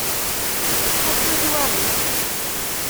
Atta twaɣit!